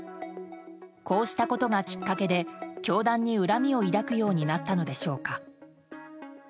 こうしたことがきっかけで教団に恨みを抱くようになったのでしょうか。